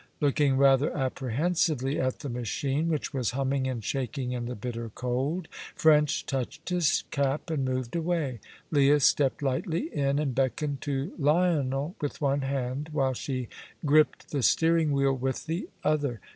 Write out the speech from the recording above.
Looking rather apprehensively at the machine, which was humming and shaking in the bitter cold, French touched his cap and moved away. Leah stepped lightly in, and beckoned to Lionel with one hand, while she gripped the steering wheel with the other.